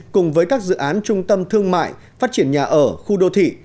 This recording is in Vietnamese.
cùng với các dự án trung tâm thương mại phát triển nhà ở khu đô thị